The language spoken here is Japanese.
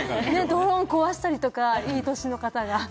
ドローンを壊したりとか、いい年の方が。